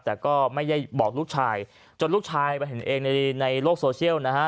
แต่ก็ไม่ได้บอกลูกชายจนลูกชายไปเห็นเองในโลกโซเชียลนะฮะ